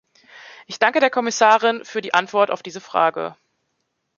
Ich danke der Kommissarin für die Antwort auf diese Frage.